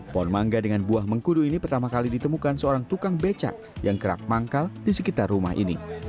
pohon mangga dengan buah mengkudu ini pertama kali ditemukan seorang tukang becak yang kerap manggal di sekitar rumah ini